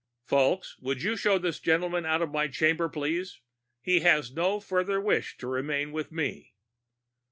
"Fulks, would you show this gentleman out of my chamber, please? He has no further wish to remain with me."